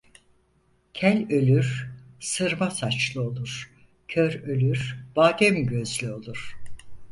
Kel ölür, sırma saçlı olur; kör ölür, badem gözlü olur.